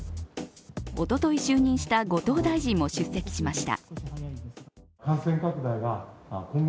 おととい就任した後藤大臣も出席しました。